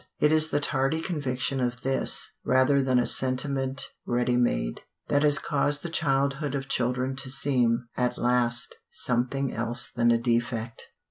It is the tardy conviction of this, rather than a sentiment ready made, that has caused the childhood of children to seem, at last, something else than a defect.